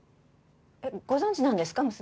えっご存じなんですか？